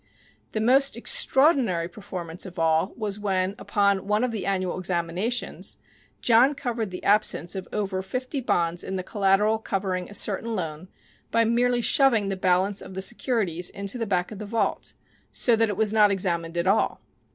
The most extraordinary performance of all was when, upon one of the annual examinations, John covered the absence of over fifty bonds in the collateral covering a certain loan by merely shoving the balance of the securities into the back of the vault, so that it was not examined at all.